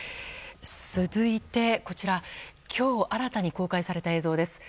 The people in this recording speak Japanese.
続いて今日新たに公開された映像です。